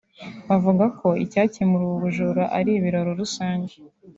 Bavuga ko icyakemura ubu bujura ari ibiraro rusange